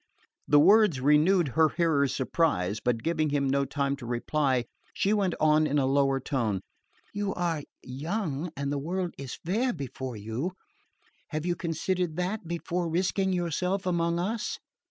The words renewed her hearer's surprise; but giving him no time to reply, she went on in a lower tone: "You are young and the world is fair before you. Have you considered that before risking yourself among us?"